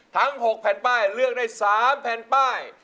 ทั้ง๖แผ่นป้ายเลือกได้๓แผ่นป้าย